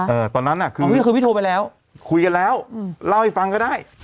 ตอนนั้นอ่ะคือพี่โทรไปแล้วคุยกันแล้วอืมเล่าให้ฟังก็ได้